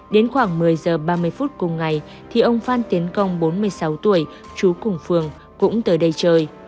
đến khoảng một mươi giờ ba mươi phút cùng ngày thì ông phan tiến công bốn mươi sáu tuổi trú cùng phường cũng tới đây chơi